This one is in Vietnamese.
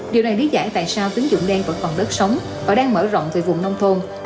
điều này đí dạy tại sao tín dụng đen vẫn còn đất sống và đang mở rộng về vùng nông thôn